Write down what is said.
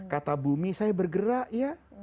kata bumi saya bergerak ya